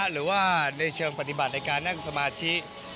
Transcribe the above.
หรือว่าในเชิงปฏิบัติในการนั่งสมาธิ